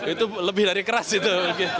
itu lebih dari keras itu